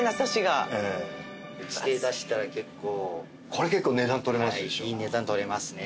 これ結構値段取れますでしょ？